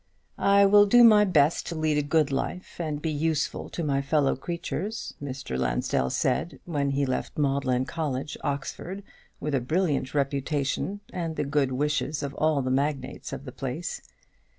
"I will do my best to lead a good life, and be useful to my fellow creatures," Mr. Lansdell said, when he left Magdalen College, Oxford, with a brilliant reputation, and the good wishes of all the magnates of the place.